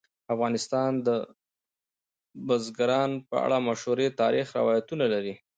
افغانستان د بزګان په اړه مشهور تاریخی روایتونه لري.